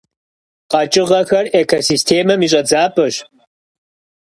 КъэкӀыгъэхэр экосистемэм и щӀэдзапӀэщ.